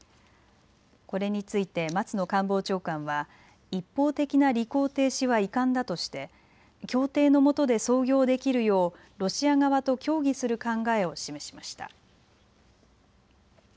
これについて松野官房長官は一方的な履行停止は遺憾だとして協定のもとで操業できるようロシア側と協議する考えを示しました。